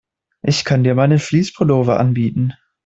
Ich kann dir meinen Fleece-Pullover anbieten.